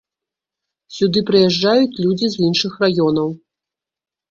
Сюды прыязджаюць людзі з іншых раёнаў.